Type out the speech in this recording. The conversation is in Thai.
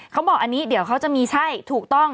เขาบอกอันนี้เดี๋ยวเขาจะมีใช่ถูกต้อง